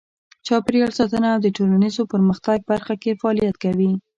چاپیریال ساتنه او د ټولنیز پرمختګ برخه کې فعالیت کوي.